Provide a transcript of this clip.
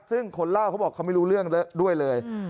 ซึ่งคนเล่าเขาบอกเขาไม่รู้เรื่องด้วยเลย